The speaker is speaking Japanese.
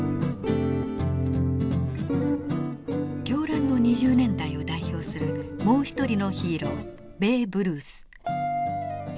狂乱の２０年代を代表するもう一人のヒーローベーブ・ルース。